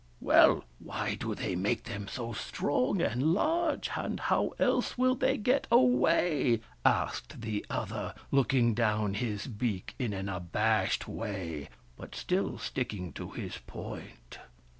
" Well, why do they make them so strong and large, and how else will they get away ?" asked the other, looking down his beak in an abashed way, but still sticking to his point.